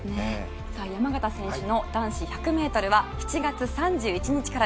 山縣選手の男子１００メートルは７月３１日からです。